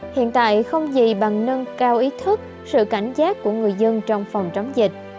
hiện tại không gì bằng nâng cao ý thức sự cảnh giác của người dân trong phòng chống dịch